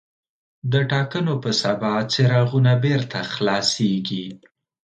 د ټاکنو په سبا څراغونه بېرته خلاصېږي.